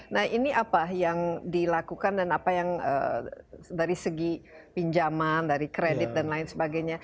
nah ini apa yang dilakukan dan apa yang dari segi pinjaman dari kredit dan lain sebagainya